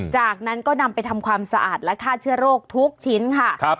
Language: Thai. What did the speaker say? จากนั้นก็นำไปทำความสะอาดและฆ่าเชื้อโรคทุกชิ้นค่ะ